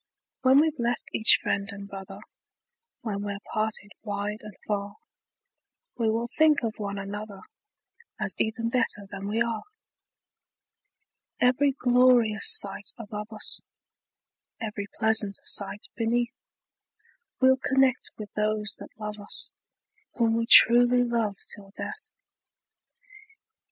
When we've left each friend and brother, When we're parted wide and far, We will think of one another, As even better than we are. Every glorious sight above us, Every pleasant sight beneath, We'll connect with those that love us, Whom we truly love till death!